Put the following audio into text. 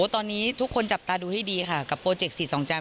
ตอนนี้ทุกคนจับตาดูให้ดีค่ะกับโปรเจกต์สีสองแจม